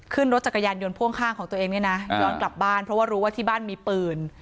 ขึ้นรถจักรยานยนต์พ่วงข้างของตัวเองเนี่ยนะย้อนกลับบ้านเพราะว่ารู้ว่าที่บ้านมีปืน